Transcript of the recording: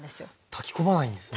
炊き込まないんですね。